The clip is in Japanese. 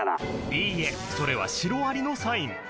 いいえそれはシロアリのサイン。